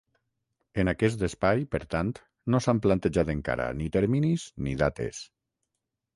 En aquest espai, per tant, no s’han plantejat encara ni terminis ni dates.